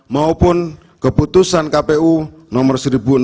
maupun keputusan kpu nomor seribu enam ratus tiga puluh empat